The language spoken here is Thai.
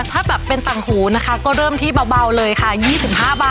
ถ้าแบบเป็นต่างหูนะคะก็เริ่มที่เบาเบาเลยค่ะยี่สิบห้าบาท